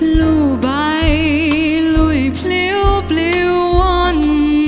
ลู่ใบลุยพลิ้วปลิ้วน